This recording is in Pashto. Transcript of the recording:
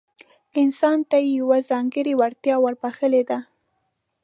انسان ته يې يوه ځانګړې وړتيا وربښلې ده.